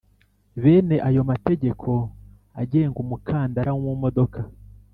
Bene ayo mategeko agenga umukandara wo mu modoka